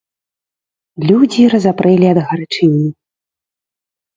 Людзі разапрэлі ад гарачыні.